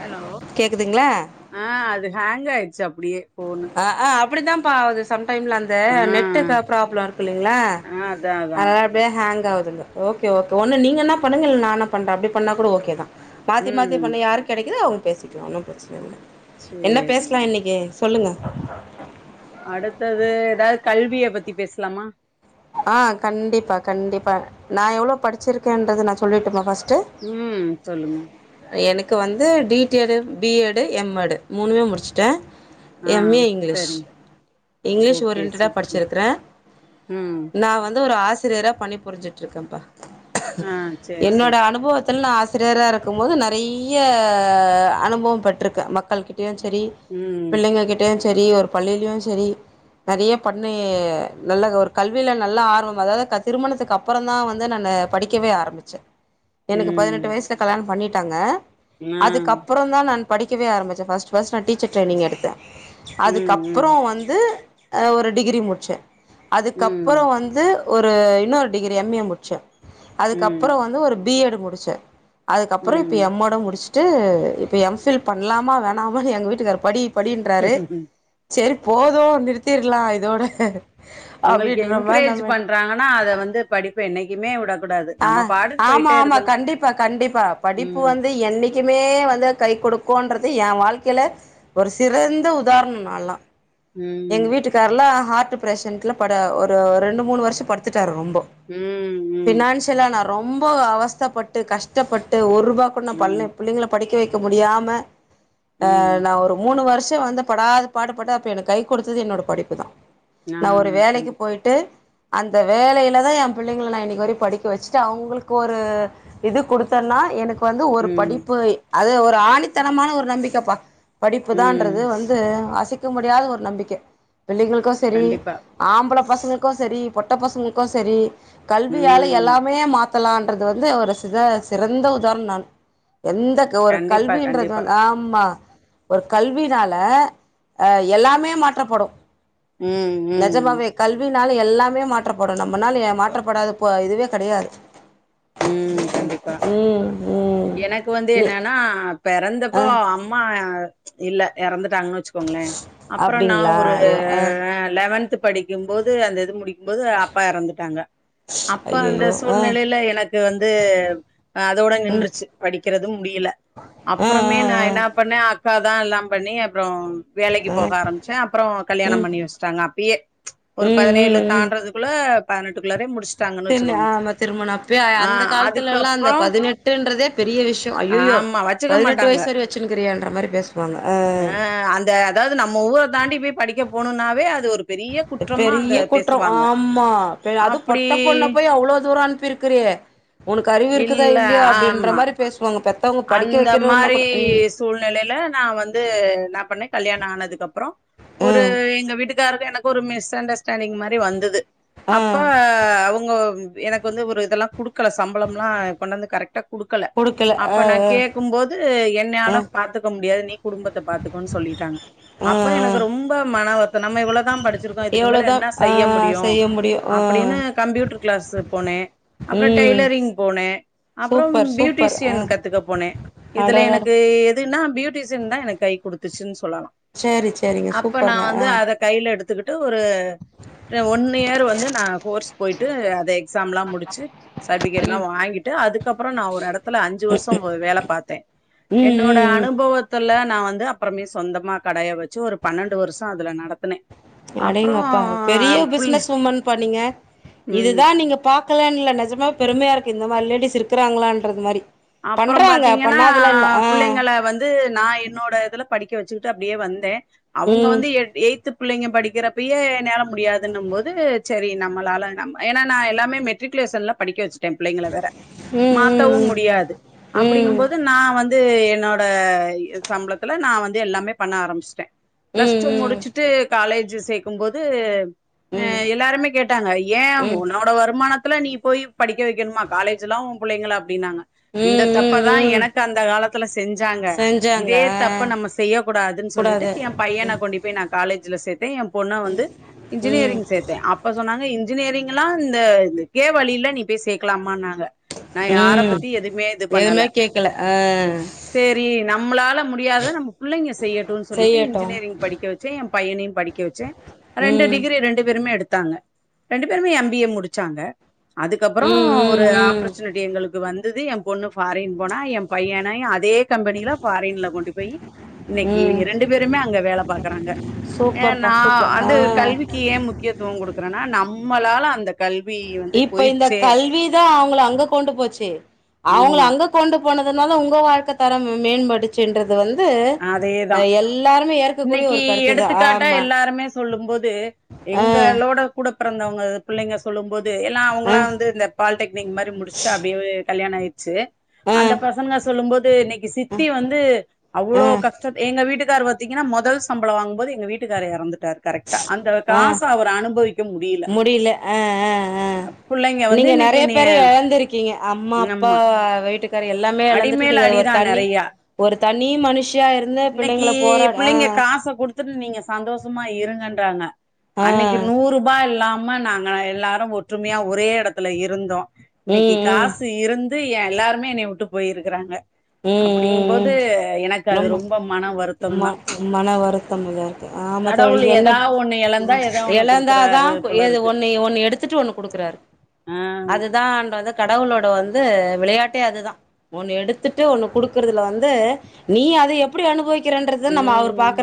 hello கேக்குதுங்களா ஆஹ் அது ஹேங் ஆயிர் அப்டியே போன அப்டிதாம்ப்பா ஆகுது சம் டைம்ல அந்த நெட்டு ப்ராப்ளம் இருக்கு இல்லங்களா ஆ அதா அதா அதல்ல அதா அப்டியே ஹக் ஆகுது ஓகே கே ஒன்னு நீங்கன்னா பன்னுன்க இல்ல நான் நா பண்றேன் அப்டி பண்ணா கூட ஓகே தான் மாத்தி ம் மாத்தி பண்ணி யாருக்கு கெடைக்குது அவங்க பேசிக்கலாம் ஒன்னும் பிரச்சனை இல்ல என்ன பேசலா சேரிங்க இன்னக்கி சொல்லுங்க அடுத்தது ஏதாவது கல்விய பத்தி பேசலாமா ஆ கண்டிப்பா கண்டிப்பா நான எவ்வளோ படிச்சிருக்கேன்றது நான சொல்லிட்டுரும்மா உம் சொல்லுங்க எனக்கு வந்து D D Ed B Ed M Ed மூணுமே முடிச்சுட்டேன் ஆ எம் ஏ இங்கிலீஷ் சரி இங்கிலீஷ் ஓரியன்டடா படிச்சிருக்கிறேன் உம் நான ஒரு ஆசிரியரா பணி புரிஞ்சிட்டு இருக்கேன்ப்பா ஆ சேரி என்னோட சேரி அனுபவத நான ஆசிரியராக இருக்கும் போது நெறைய அனுபவம் பெட்டிருக்கேன் மக்கள் கிட்ட இப்பயு சரி ம் பிள்ளைங்க கிட்டயு ச செரி ஒரு பள்ளியிலயும் செரி நெறைய பண்ண நல்ல ஒர்க் கல்வியில நல்லா ஆர்வம் அதாவது திருமணத்துக்கு அப்பறம் தான் வந்து நான் படிக்கவே ஆரம்பிச்சேன் எனக்கு ம் பதினெட்டு வயசுல கல்யாணம் பண்ணிட் ட்டாங்க ஆ அதுக்கப்புறோந்தா நான் படிவேயாரம்பிதக்ஷச்சேன் ப்ட்ர்ஸ்ட நான்டீர் டரைனி் எடுத்தன் ம் ம் அதுக்கப்பறம் வந்து ஒரு டிகிரி முடிச்சேன் அதுக்கப்புற ம் வந்து ஒரு இன்னொரு டிகிரி எம் ஏ முடிச்சேன் ம் அதுக்கப்பறம் வந்து ஒரு பி எடு முடிச்சேன் அதுக்கப்புற இப்போ ம் எம்மோட முடிச் ட்டு இப்ப எம் பில் பண்ணலாமா வேணாம எங்க வீட்டுக்கரு படி படுகின்னுராரு சேரி போது நிறுத்திரலா இதோட உங்களுக்கு அப்டின்ற மாரி என்கரேஜ் நம்ம பண்றாங்கன்னா அத வந்து படிப்பு என்னைக்குமே விடக்கூடாது நம்ம ஆஹ் பாட்டுக்கு ஆமா போயிட்டே ஆமா இருக்கணு கண்டிப்பா கண்டிப்பா படிப்பு ம் வந்து என்னைக்குமே வந்து கை கொடுக் போன்றது ஏன் வாழ்க்கையில ஒரு சிறந்த உதாரணோ நான்லா எங்க ம் வீட்டுக்காரலெல்லாம் [unintelligible] படு ஒரு ரெண்டு மூணு வருஷ படுத்துட்டாரு ரொம் ப்போ ம் ம் ஃபினான்ஷியலா நெர் ரொம்ப அவஸ்தப்பட்டு கஷ்டப்பட்டு ஒரு ரூபா குடு நா ம் பள்ளி பிள்ளைங்கள படிக்க வைக் க்க முடியாம ஆ ம் நான ஒரு மூணு வருஷம் த்து வந்து படாத பாடு பட்டு அப்ப எனக்கு கைக் கொடுத்தது என்னோட படிப்பு தான் ஆ நா ஒரு வேலைக்கி கண்டிப்பா போயிட்டு அந்த வேளயில தான் என் புள்ளைங்களை நான இன்றனைக்கு வர படிக்க வச்சுட்டு அவங்களுக்கு ஒரு இது கொடுத்தேன்னா எனக்கு ப்ப வந்து ஒரு ம் படிப்பு அது ஒரு ஆணித்தனமான ஒரு நம்பிக்கைப்பா ம் படிப்புதான்ன்றது வந்து ஆச இருக்க முடியாத ஒரு நம்பிக்கை க்கே பிள்ளைங்களுக்கும் சரி கண்டிப்பா ஆம்பள பசங்கக்கு சரி பொட்ட பசங்கக்கு சரி கல்வியால ம் எல்லாமே மாத் த்தலான்றது வந்து ஒரு சித சிறந்த உதாரணோ நான் எந்த க ஒரு கண்டிப்பா கல்வின்றது கண்டிப்பா வந் ஆமா ஒரு கல்வினால ஆ எல்லாமே மாற் ற்றப்படு ம் ம் னால எல்லாமே மாற்றப்படு நம்மனால எ மாற்றப்படாத பொ இதுவே கெடையாது ம் கண்டிப்பா ம் ம் எனக்கு வந்து நீ என்னன்னா ஆ பெறந்தப்போ அம்மா இல்ல எறந்துட் தாங்க வச்சுக்கோங்களேன் அப்பறம் நான அப்டிங்களா ஒரு ஐயோ ஆ லெவன்த் படிக்கும்போது அந்த இது முடிக்க ம்போது அப்பா எறந்துட்டாங்க அப்ப அந்த ஐயையோ ஆ சூழ்நிலையில எனக்கு வந்து அ அதோட ம் நின்றுச்சு படிக்கிறது முடியல ஆ அப்றமே ஆ நா என்னா பண்ணே அக்காதான் எல்லாம் பண்ணி அப்பறம் வேலைக்கு ஆ போக ஆ ஆரம்பிச்சே அப்றோ கல்யாணோ ம் பண்ணி வச்சுட்டாங்க அப் ப்பயே ஒரு ம் பதினேழு ம் தாண்டறதுக்குள்ள பதினெட்டுகுல்லாரே முடிச் தின்ன ஆமா திருமண அப்யே ஆ அதுக்கப்பறம் பெரிய விஷ்யோ ஐயையோ ஆமா வச்சுக்க பதினெட்டு மாட்டாங்க வயசு வரையு வச்சுன்னுக்கிறியான்ற மாரி பேசுவாங்க ஆ ஹ அந்த அதாவது நம்ம ஊரை தாண்டி போய் படிக்க போணும்னாவே அது ஒரு பெரிய அ குற்றமா அத பெரிய குற்றோ பேசுவாங்க ஆமா பின்ன அது அப்டி பொட்ட பொண்ண போய் அவ்ளோ தூரோ அனுப்பிருக்குறியே உனக்கு அறிவு இருக்குதா இல்ல இல்லயா அப்படின்ற ஆமா மாரி பேசுவாங்க பெத்த அந்த மாரி சூழ்நிலைல நா வந்து என்ன பண்ணே கல்யாணோ ஆனதுக்கு அப் அப்பறம் ஒரு ம் எங்க வீட்டுக் வீட்டுக்காருக்கு எனக்கு ஒரு மிஸ் அண்டஸ் டர்னிங் மாரி வந்தது ஆ அப்ப அவுங்கவுங் எனக்கு வந்து ஒரு இதெல்லாம் குடுக்கல சம்பளம் லா கொண்டாந்து வந்து கரெக்டா குடுக்கல ஆ அப்போ நான் கேட்கும்போது ஆ என்னையாள ஆ பாத்துக்க முடியாது நீ குடும்பத்தை பாத்துக்கோ சொல்லிட்டாங்க ஆ அப்ப ஆ எனக்கு ரொம்ப மனவர்த் நம்மவ்ளதான் படித்து இதுக்கு மேல எவ்ளோதா என்ன ஆ செய்ய முடியும் செய்ய முடியு ஆ அப்டின்னு கம்புட்டுரு கிளாஸ் சு போனே அப்றம் ம் டெய்லரிங் போனே அப்றம் சூப்பர் சூப்பர் பியூட்டிசியன் ஆ இருக்க போனே இதுல அடடட எனக்கு எதுனா பியூட்டிசியன் தான் எனக்கு கை கொடுத்துச்சுன்னு செ சொல்லலா சேரி சேரிங்க அப்ப நா சூப்பருங்க ஆ வந்து அதை கையில எடுத் ஒங்கிட்டா ஒரு ஒன் இயர் வந்து நான் கோர்ஸ் போயிட்டு அதே எக்ஸாம் எல்லா முடிச்சு சர்டிஃபிகேட்லா ம் வாங்கிட்டு அதுக்கப்புறோ நா ஒரு எடத்துல அஞ்சு வருஷ் இரும்போது வேலை பார்த்தேன் ம் என்னோட ம் அனுபவத்துல நா வந்து அப்புறமே சொந்தமா கடைய வச்சு ஒரு பன்னெண்டு வருஷோ அதுல நடத்துனே அப்புறம் அடேங்கப்பா பெரிய புள்ள பிசினஸ் உமன்பா நீங்க ம் இதுதான் நீங்க பக் [unintelligible] இல்ல நெஜமா பெருமையா இருக்கு இந்த மாரி லேடிஸ் இருக்குறாங்களான்றது மாரி அப்புறம் பண்றாங்க பாத்தீங்கன்னா பண்ணாதெல்லா இல்ல ஆ பிள்ளைங்க வந்து நான் என்னோட இதுல படிக்கன் க்க வச்சுக்கிட்டு அப்டியே வந்தே அவங்க ம் வந்து எட்டு எய்த் பிள்ளைங்க படிக்க றப்பிய நல முடியாதுன்னும் போது சரி நம்மளால நான் எல்லாமே மெட்ரிகுலேஷன்ல படிக்க வச்ச எம்பிளைங்களை வேற ம் மாத்தவும் ம் முடியாது ம் அப்டிங்கும் போது நா வந்து என்னோட இது சம்பளத்துல நான் வந்து எல்லாமே பண்ண ஆரம்பிச்சிட்டேன் ம் பிளஸ் டூ ம் முடிச்சுட்டு காலேஜ் ஜு சேக்கும்போது ம் ம் அஹ எல்லாருமே கேட்டாங்க ஏன் ம் உன்னோட வருமானத் என்ன நீ போய் படிக்க வைக்கணுமா காலேஜ்லாம் உம் பிள்ளைங்களை அப்படின்னாங்க ம் இந்த ம் தப்பதான் ம் எனக்கு அந்த காலத்துல செஞ்சாங்க செஞ்சாங்க இதே ஆ தப்ப நம்ம செய்ய கூடாதுன்னு சொல்லிட்டு கூடாது என் பையனை கொண்டு போய் நான் காலேஜ்ல சேர்த்து ந்து என் பொண்ண வந்து ம் இன்ஜினியரிங் சேத்தே அப்ப சொன்னாங்க இந் இன்ஜினியரிங்லா இந்த இதுக்கே வழியில்ல நீ போய் சேக்கலாமான்னா இந்த நான் யாரை பத்த எதுவுமே கேக்கல்ல ஆஹ் ஒகே நம்மளாலப் ண்ண முடியாதத நம் புள்ளைங்க செய்யட்டுன்னு சொல்லிட்டு செய்யட்டு இன்ஜினியரிங் படிக்க வச்சே என் பையனையு படிக்க வச்சே ரெண்டு ம் டிகிரி ரெண்டு பேருமே எடுத் தாங்க ரெண்டு பேருமே எம் பி ஏ முடிச்சாங்க அதுக்கப்புறோ ம் ஒரு ம் ம் ஆப்பர்ச்சுனிட்டி எங்களுக்கு வந் அடுதது என் பொண்ணு பாரின் போனா என் பையனய் அதே கம்பெனில பாரின்ல கொண்டு போய் இன்னைக்கு ம் ரெண்டு பேருமே அங்க வேலை பாார்கறாங்க ஏ சூப்பர்ப்பா நான் சூப்பர் ஆ வந்த கல்விக்கு ஏன் முக்கியத்துவம் கொடுக்குறேனா நம்மளால அந்த கல்வி வந்து இப்ப இந்த போயிடுச்சே கல்விதா அவங்கள அங்க கொண்டு போச்சு அவங்கள ஆமா அங்க கொண்டு போனதுனால உங்க வாழ்க்கை தரம் மேம்படுச்சுன்றது அதேதான் ஏற்கக்கூடிய இன்னைக்கு ஒரு கருத்துதா எடுத்துக்காட்டா ஆமா எல்லாருமே சொல்லும் போது ஆ எங்களோட கூட பிறந்தவங்க பிள்ளங்க சொல்லும் போது எல்லாம் ஆ அவங்களாம் வந்து இந்த பாலிடெக்னிக் மாரி முடிச்சுட்டு அடியே கல்யாண ஆய ச்சு ஆ அந்த பசங்க சொல்லும் போது இன்னைக்கு சித்தி வந்து அவ்ளோ ஆ கஷ்டத் எங்க வீட்டுக்கார் பாத்தீங்கன்னா மொதல் சம்பளோ வாங்கும்போது எங்க வீட்டுக்கார்ரு எறந்துட் ஆஹ் முடியல ஆஹ் ஆஹ் ஆஹ் புள்ளைங்க வந்து நீங்க இன்னைக்கு நிறைய என்னைய பேர இழந்திருக்கீங்க அம்மா அப்பா ஆமா வீட்டுக்கரு எல்லாமே இழந்துட்டு அடிமேல நீங்க அது ஒரு அடிதான் தண்ணி நெறையா ஒரு தனீ மனுஷ் இருந்து இன்னைக்கு பிள்ளைங்கள போராட புள்ளைங்க காச நீங்க சந்தோஷமா இருங்கன்றாங்க ஆ அன்னைக்கு நூறுபா இல்லாம ஆமா நாங்க எல்லாரும் ஒற்றுமையா ஒரே இடத்துல இருந்தோம் இன்னைக்கி ம் ம் ம் காசு இருந் இருந்து எல்லாருமே என்னைய விட்டு போயிருக்கிறாங்க ம் அப்படிங்கும்போது ம் எனக்கு அது ரொம்ப மன வருத்தம் மன வருத்தம் இல்ல இருக்கு ஆ ஆமா தோழி கடவுள் என்ன ஏதா ஒண்ணு இழந்தா ஏதா ஒண்ணு குடுக்குறாரு இழந்தாதான் போல ஏது இருக்கு ஒண்ணு ஒண்ணு எடுத்துட்டு ஒண்ணு குடுக்குறாரு ஆ அதுதான் ஆ வந்து கடவுளோட வந்து து விளையாட்டே அதுதா ஒன்னு எடுத் வந்துட்டு ஒன்னு கொடுக்குறதுல வந்து நீ அத எப்படி அனுபவிக்க உம்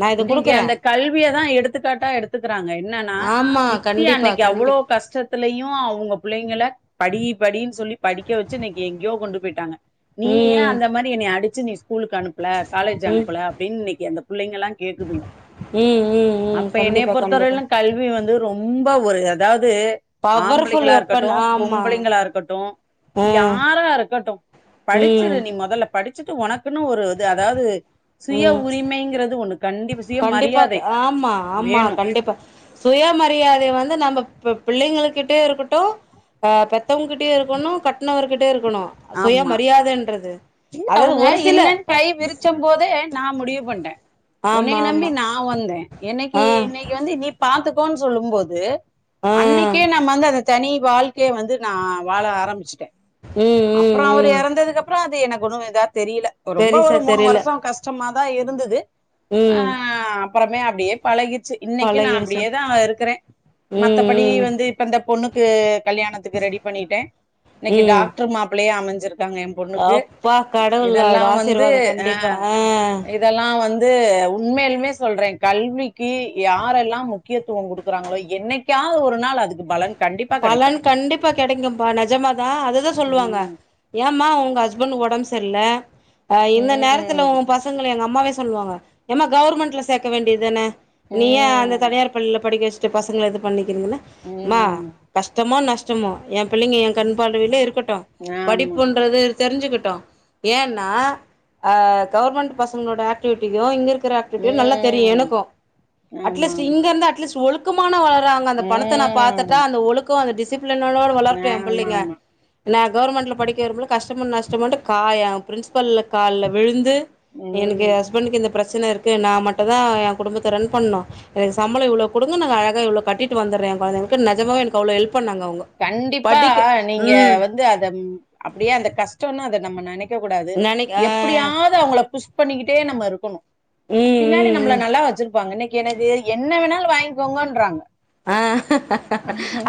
நா இத இன்னைக்கி குடுக்குறே அந்த கல்வியதா எடுத்துக்காட்டா எடுத்துக்கறாங்க என்னன்னா ஆமா சித்தி கண்டிப்பா அன்னைக்கு அவ்ளோ கண்டிப் கஷ்டத்துலயு அவங்க பிள்ளைங்கள படி படின்னு சொல்லி படிக்க வச்சு இன்னைக்கு எங்கேயோ கொண்டு போயிட்டாங்க நீ ஏன் ம் அந்த மாரி என்னைய அடித் சீனிஸ் ஸ்கூலுக்கு அனுப்புல காலேஜ் ம் அனுப்புல அப்டின்னு இன்னைக்கு அந்த பிள்ளைங்க எல்லாம் கேக்குதுங்க ம் ம் ம் அப்ப என் கண்டிப்பா கண்டிப்பா பொறுத்தவரை கல்வி வந்து ரொம்ப ம்ப ஒரு அதாவது பவர்ஃபுல் ஆம்பளங்களா வெப்பன் இருக்கட்டும் ஆமா பொம்பளங்களா இருக்கட்டும் ம் யாரா இருக்கட்டும் படிச்சுரு ம் நீ முதல்ல படிச்சுட்டு உனக்குன்னு ஒரு இது அதாவது சுய ம் உரிமைங்கிறது ஒண்ணு கண்டிப்பா சுய கண்டிப்பா மரியாதை ஆமா ஆமா வேணும் கண்டிப்பா சுய மரியாதையை வந்து நம்ம இப்ப புள்ளைங்ககிட்டே இருக்கட்டும் பெத்த பேத்தவங்க கிட்டய இருக்கணும் கட்டணவர்கிட்ட ஆமா இல்ல அதாவது அவங்க ஒரு சில இல்லன்னு கை விரிச்சும் போத நான முடிவு பண்ணிட்டேன் உன ஆமா ஆமா [inaudible] நான வந்தேன் என்னைக்கு ஆ இன்னைக்கி வந்து நீ ப கோன்னு சொல்லும் போது ஆ அன்னைக்கே நம்ம வந்து அத தனி வாழ்க்கைய வந்து நான வாழ ஆரம்பிச்சுட்டேன் ம் ம் அப்பறம் அவர் ம் இறந்ததுக்குப்பறம் எனக்கு குணதார் தெரியல ரொம்ப பெரிசா ஒரு மூணு தெரில வருஷம் கஷ்டமா இருந்தது ஆ ம் அப்பறமே அப்டியே பழகிச்சு இன்னைக்கும் நான பழகிடுச்சு அப்டியே தான் இருக்கிறேன் மத்தபடி ம் ம் வந்து இப்ப இந்த பொண்ணுக்கு [inaudible] கல்யாணத்துக்கு ரெடி பண்ணிட்டேன் இன்னைக்கி ம் டாக் இதுவேஅமைஞ்சிருக்கு இருக்காங்க என் பொண்ணுக்கு அப்பா கடவுளோட இதெல்லாம் ஆசீர்வாதோ வந்துஆ கண்டிப்பா ஆ இதெல்லாம் வந்து உண்மையிலுமே ‌சொல்றேன் கல்விக்கு யாரெல்லாம் முக்கியத்துவம் கொடுக்கறாங்களோ என்னைக்காவது ஒரு நாள் அதுக்கு பலன் கண்டிப்பா பலன் கிடைக்கும் கண்டிப்பா கெடைக்கும்பா நெஜமா தான் அதுதான் சொல்லுவாங்க உம் ஏம்மா உங் ஹஸ்பண்ட் உடம்பு சரியல இந்த நேரத்துல உம் ஒ பசங்க எங்க அம்மாவே சொல்லுவாங்க ஏம்ம கவர்மெண்ட்ல சேர்க்க வேண்டியதுதான நீ ஏ அந்த உம் தனியார் பள்ளில படிக்க பசங்கள இது பண்ணி இருங்கன்னா மா உம் கஷ்டமோ நஷ்டமோ என் புள்ளைங்க என் கண் பார்வையில இருக்க ஆமா படிப்பன்றது எத்து தெரிஞ்சுக்கிட்டோம் ஏன்னா கவர்மெண்ட் பசங்களோட ஆக்டிவிட்டும் இங்க இருக்க ஆக்டிவி நல்லா தெரியும் ம் எனக்கும் ஆமா அட்லீஸ்ட் இங்க இருந்து அட்லீஸ்ட் ஒழுப் முக்கமான வள அங்க அந்த பணத்தை நான ஆமா பாத்துட்டா ம் அந்த ஒழுக்கு அந்தடிசப் டு வளரே ஆமா பிள்ளைங்க ஆமா நான் கவர்ன்மெண்ட்ல படிக்க வரும்பது கஷ்டம் கஷ்டம் நஷ்டம் காயம் பிரின்சிபல் காலுல விழுந்து எனக்கு ம் ஹஸ்பண்டக்கு இந்த பிரச்சனை இருக்கு நான் மட்டும் தான் என் குடும்பத்தை ரன் பண்ண எனக்கு சம்பளம் இவ்ளவு கொடு அழக கட்டிட்டு வந்து குழந்தைளுக்கு நஜ எனக்கு தொழில் கண்டிப்பா நீங்க ம் வந்து அத அப்படியே அந்த கஷ்டம்னு அத நம்ம நினக்கக்கு கூடாது நெனைக் ஆ எப்படியாவது அவங்கள புஸ் பண்ணிக்கிட்டே நம்ம இருக்கணும் ம் பின்னாடி ம் நம்மள ம் நல்லா வச்சிருப்பாங்கனை எனக்கு என்ன வேணாலும் வாங்கிக்கோங்கன்றன்றாங்க ஆஹ்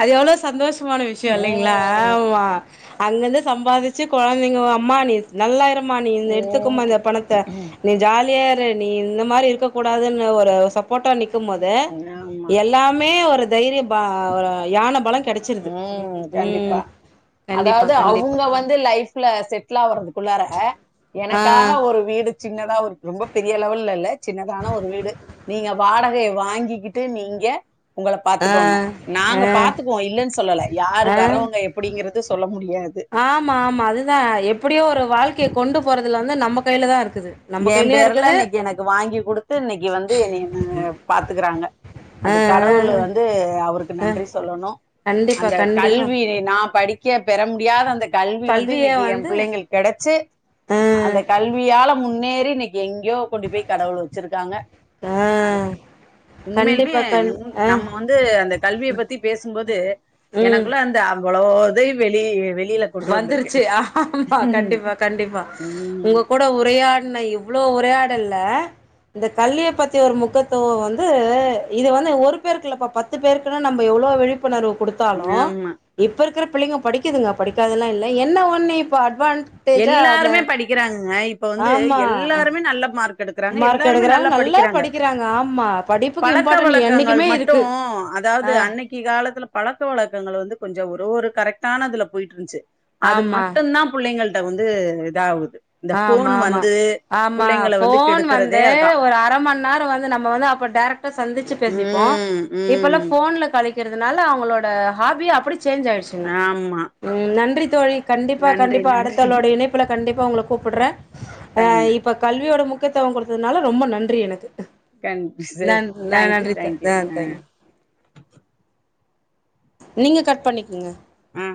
அது எவ்வளவு சந்தோஷம் கமான விஷயம் இல்லைங்களா ம் ஆமா அங்கிருந்து சம்பாதிச்சு குழந்தைங்க அம்மா நல்லா இருக்கும் மா நீ இந்த எடுத்துக்கமா ம் இந்த பணத்தை நீ ஜாலியா இரு நீ இந்த மாதிரி இருக்கக்க கூடாதுன்னு ஒரு சப்போட்டா நிக்க இருக்கு போது ஆமா எல்லாம் ஒரு தைரிய ஒரு யான பலங்க உம் கண்டிப்பா கண்டிப்பா அதாவது கண்டிப்பா அவங்க வந்து லைஃப்ல கில்லவோடாது உள்ளார ஆ எனக்காக ஒரு வீடுக்கு சின்னதா ரொம்ப பெரிய லெவல் இல்ல சின்னதான ஒரு வீடு நீங்க வாடகையை வாங்கிக்கிட்டு நீங்க உங்களை ஆ பாத்துக்கோங்க ஆ நாங்க பாத்துக்கவோம் இல்ல யார் ஆ வர்றவங்க எப்படிங்கிறது சொல்ல முடியும் ஆமா ஆமா அதுதான் எப்படியோ ஒரு வாழ்க்கையை கொண்டு போறதுல வந்து நம்ம கையில தான் இருக்குது நம்ம என் கையிலயு பேர்ல இருக்குது இன்னைக்கு எனக்கு வாங்கி கொடுத்து இன்னைக்கு வந்து பாத்துக்குறாங்க ஆ ஆ அந்த கடவுள் வந்து அவருக்கு ஆ நன்றி சொல்லணும் கண்டிப்பா அந்த கண்டிப்பா கல்வினா படிக்க பெற முடியாத அந்த கல்வி வந்து கல்விய இன்னைக்கு என் வந்து பிள்ளைங்க கிடைச்சு ஆ அந்த கல்வியால முன்னேறி இன்னைக்கு எங்கேயோ கொண்டு போய் கடவுள் வச்சிருக்காங்க ஆ ஆஹ் உண்மையிலுமே கண்டிப்பா கண் ஆ நம்ம வந்து அந்த கல்வியை பத்தி பேசும்போது ம் எனக்குள்ள அந்த அவ்வளோது வெளி வெளியில கொண்டு வந்திருக்கு வந்துருச்சு ஆமா கண்டிப்பா கண்டிப்பா உம் உங்க கூட உரையாட பத்தின இவ்வளவு உரையாடல்ல இந்த கல்விய பத்தி ஒரு முக்கியத்துவம் வந்து இது வந்து ஒரு பேருக்கில்லப்பா பத்து பேருக்கு நம்ம எவ்வளவு விழிப்பு ணர்வு கொடுத்தாலும் ஆமா இப்ப இருக்கிற பிள்ளைங்க படிக்குதுங்க படிக்காதெல்லாம் இல்லை என்ன ஒன்னு இப்போ அட்வான் எல்லாருமே படிக்கிறாங்க இப்ப வந்து ஆமா எல்லாருமே நல்ல மார்க் எடுக்கிறாங்க மார்க் எல்லாருமே எடுக்கறாங்க நல்லா படிக்கிறாங்க ஆமா படிப்புக்கு பழக்க இம்பார்ட்டன்ட் வழக்கங்கள் என்னைக்குமே இருக்கு மட்டும் அதாவது ஆ அன்னைக்கு காலத்தில் பழக்க வழக்கங்கள் வந்து கொஞ்சம் ஒரு ஒரு கரெக்டான அதுல போயிட்டு இருந்துச்சு அது ஆமா மட்டும் தான் பிள்ளைங்க அ வந்து இத ஆவுது ஆமா ஆமா ஆமா வந்து போன் கெடுக்கறதே வந்து அதா ஒரு அரைமணி நேரம் வந்து நம்ம வந்து அப்ப டேரெக்ட்டா சந்திச்சு பேசிப்போம் ம் ம் இப்பல்லாம் போன்ல க்கிறதுனால அவங்களோட ஹாபி அப்படி சேஞ்ச் ஆயிடுச்சுங்க ஆமா நன்றி தோழி கண்டிப்பா நன்றி கண்டிப்பா நன்றி அடுத்தாளோட இணைப்புல கண்டிப்பா இப்ப அவங்களுக்கு கூப்பிட்டடுறேன் கண் அஹ் இப்ப கல்வியோட முக் முக்கியத்தவம் கொடுத்ததுனால ரொம்ப நன்றி எனக்கு ண்ட் சரி நன் தேங்க்யூ நன்றி த தேங்க்யூ ஹம் தேங்க்யூ நீங்க கட் பண்ணிக்குங்க ஆ